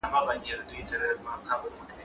زه به اوږده موده ښوونځی ته تللی وم!؟